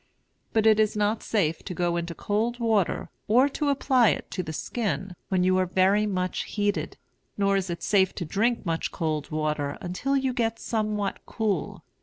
But it is not safe to go into cold water, or to apply it to the skin, when you are very much heated; nor is it safe to drink much cold water until you get somewhat cool.